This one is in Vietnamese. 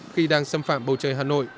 khi đang xâm phạm bầu trời hà nội